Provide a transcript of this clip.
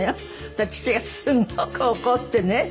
そしたら父がすごく怒ってね。